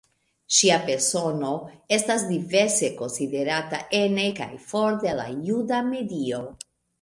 Ŝia persono estas diverse konsiderata ene kaj for de la juda medio.